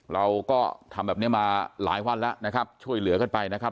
เราก็ทำแบบนี้มาหลายวันแล้วนะครับช่วยเหลือกันไปนะครับ